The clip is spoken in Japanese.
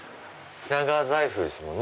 長財布ですもんね。